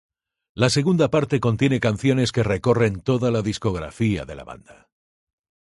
La segunda parte contiene canciones que recorren toda la discografía de la banda.